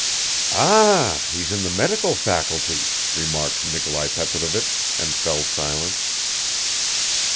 "Ah! he's in the medical faculty," remarked Nikolai Petrovich, and fell silent.